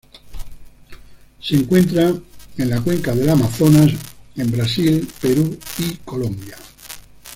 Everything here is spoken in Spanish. Se encuentran en la Cuenca del Amazonas, en Brasil, Perú y Colombia.